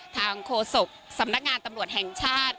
โฆษกสำนักงานตำรวจแห่งชาติ